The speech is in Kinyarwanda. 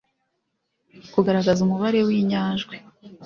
-kugaragaza umubare w’inyajwi